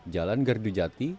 jalan gardu jati